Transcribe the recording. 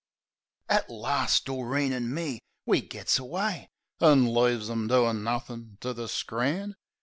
At last Doreen an' me we gits away. An' leaves 'em doin' nothin' to the scran.